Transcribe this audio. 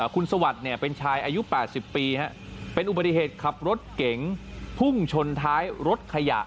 คุณสวัสดิ์เป็นชายอายุ๘๐ปีเป็นอุบัติเหตุขับรถเก๋งพุ่งชนท้ายรถขยะ